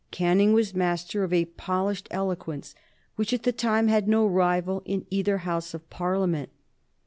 Canning was master of a polished eloquence which, at the time, had no rival in either House of Parliament.